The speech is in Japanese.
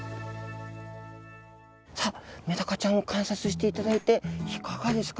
さあメダカちゃん観察していただいていかがですか？